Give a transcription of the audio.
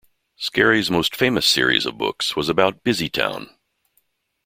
Scarry's most famous series of books was about Busytown.